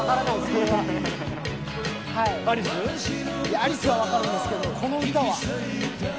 アリスは分かるんですけどこの歌は。